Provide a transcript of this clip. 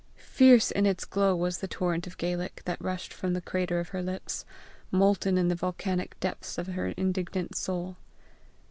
Fierce in its glow was the torrent of Gaelic that rushed from the crater of her lips, molten in the volcanic depths of her indignant soul.